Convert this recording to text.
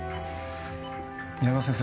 皆川先生